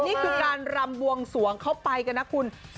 นี่คือการรำบวงสวงเข้าไปกันนะคุณ